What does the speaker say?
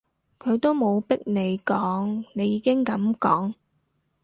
佢都冇逼你講，你已經噉講